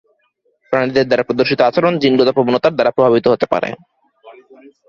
প্রাণীদের দ্বারা প্রদর্শিত আচরণ জিনগত প্রবণতার দ্বারা প্রভাবিত হতে পারে।